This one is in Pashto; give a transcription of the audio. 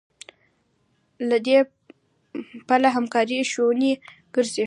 له دې پله همکاري شونې کېږي.